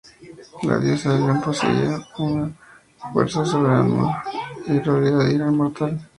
La diosa león poseía una fuerza sobrehumana y durabilidad, y era inmortal.